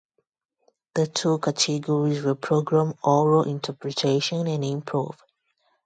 The two categories were Program Oral Interpretation and Improv.